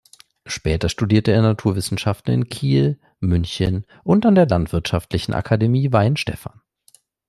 Später studierte er Naturwissenschaften in Kiel, München und an der Landwirtschaftlichen Akademie Weihenstephan.